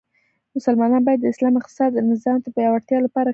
مسلمانان باید د اسلام اقتصادې نظام د پیاوړتیا لپاره کار وکړي.